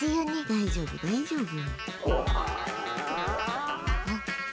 大丈夫、大丈夫。